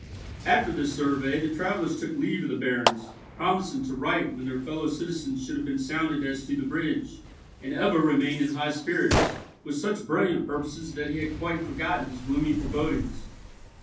After this survey, the travellers took leave of the barons, promising to write when their fellow citizens should have been sounded as to the bridge; and Ebbo remained in high spirits, with such brilliant purposes that he had quite forgotten his gloomy forebodings.